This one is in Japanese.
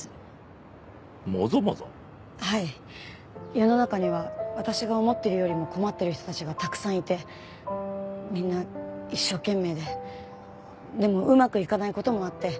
世の中には私が思っているよりも困っている人たちがたくさんいてみんな一生懸命ででもうまくいかない事もあって。